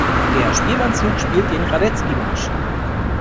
Der Spielmannszug spielt den Radetzky-Marsch.